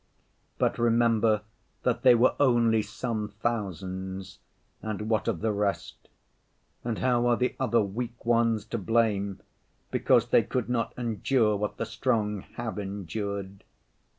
But remember that they were only some thousands; and what of the rest? And how are the other weak ones to blame, because they could not endure what the strong have endured?